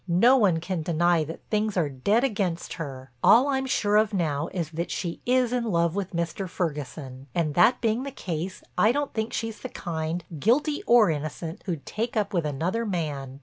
No one can deny that things are dead against her. All I'm sure of now is that she is in love with Mr. Ferguson and, that being the case, I don't think she's the kind, guilty or innocent, who'd take up with another man."